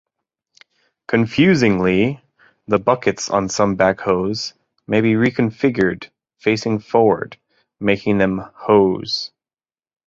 Confusingly, the buckets on some backhoes may be reconfigured facing forward, making them "hoes".